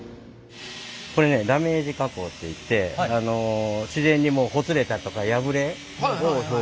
これダメージ加工っていって自然にほつれたりとか破れを表現してる。